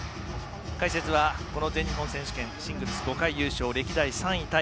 解説は、この全日本選手権シングルス５回優勝歴代３位